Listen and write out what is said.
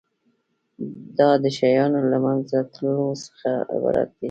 دا د شیانو له منځه تلو څخه عبارت دی.